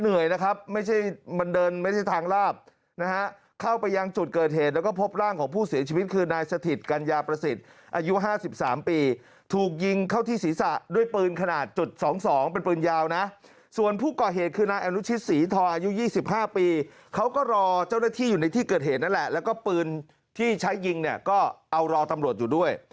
เหนื่อยนะครับไม่ใช่มันเดินไม่ใช่ทางลาบนะฮะเข้าไปยังจุดเกิดเหตุแล้วก็พบร่างของผู้ศีลชีวิตคือนายสถิตย์กัญญาประสิทธิ์อายุห้าสิบสามปีถูกยิงเข้าที่ศีรษะด้วยปืนขนาดจุดสองสองเป็นปืนยาวนะส่วนผู้ก่อเหตุคือนายแอนุชิตศรีธรรมอายุยี่สิบห้าปีเขาก็รอเจ้าหน้าที่อยู่ในที่เกิดเหตุ